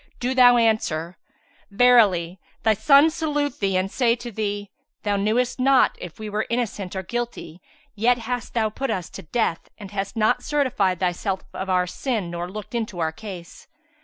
do thou answer, 'Verily thy sons salute thee and say to thee, Thou knewest not if we were innocent or guilty, yet hast thou put us to death and hast not certified thyself of our sin nor looked into our case.'